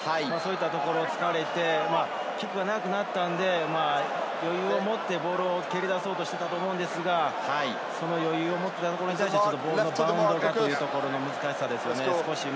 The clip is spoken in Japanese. そこを使われてキックが長くなったので、余裕を持ってボールを蹴り出そうとしたと思うのですが、その余裕を持ったところにバウンドがというところの難しさですね。